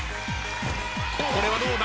これはどうだ？